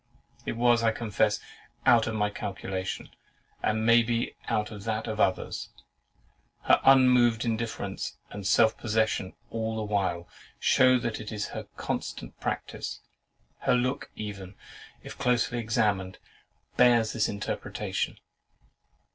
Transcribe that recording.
It was, I confess, out of my calculation, and may be out of that of others. Her unmoved indifference and self possession all the while, shew that it is her constant practice. Her look even, if closely examined, bears this interpretation.